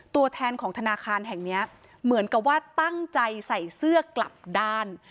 ตัวแทนของธนาคารแห่งนี้เหมือนกับว่าตั้งใจใส่เสื้อกลับด้าน